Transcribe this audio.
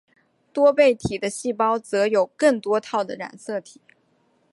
多倍体的细胞则有更多套的染色体。